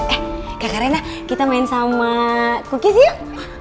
eh kakarena kita main sama cookies yuk